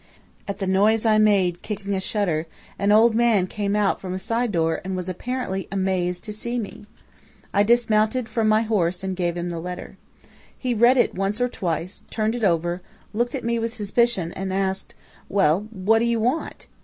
"At the noise I made kicking a shutter, an old man came out from a side door and was apparently amazed to see me there. I dismounted from my horse and gave him the letter. He read it once or twice, turned it over, looked at me with suspicion, and asked: "'Well, what do you want?'